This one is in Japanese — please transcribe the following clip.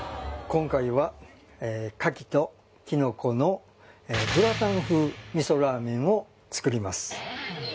今回は牡蠣とキノコのグラタン風みそラーメンを作ります